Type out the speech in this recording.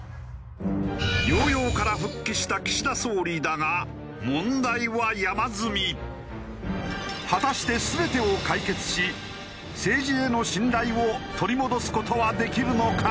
療養から復帰した岸田総理だが果たして全てを解決し政治への信頼を取り戻す事はできるのか？